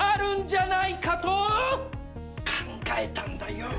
考えたんだよ。